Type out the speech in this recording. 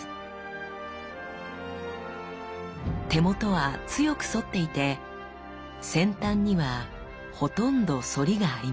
手元は強く反っていて先端にはほとんど反りがありません。